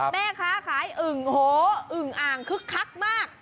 แม่ค้าขายอึ่งโหอึ่งอ่างคึกคักมาก